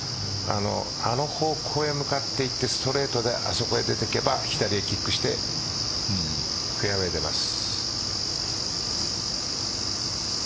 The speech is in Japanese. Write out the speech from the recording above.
あの方向へ向かっていってストレートであそこへ出ていけば左にキックしてフェアウェイに出ます。